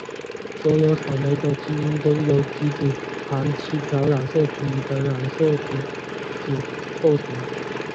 所有草莓的基因都由几组含七条染色体的染色体组构成。